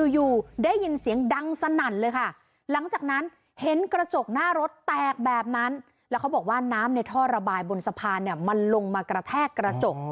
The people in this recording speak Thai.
อยู่ได้ยินเสียงดังสนั่นเลยค่ะหลังจากนั้นเห็นกระจกหน้ารถแตกแบบนั้นแล้วเขาบอกว่าน้ำในท่อระบายบนสะพานเนี่ยมันลงมากระแทกกระจก